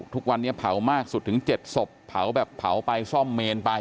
ทุกวันนี้เผามากสุดถึง๗ศพเผาแบบเผาไปซ่อมเมนไป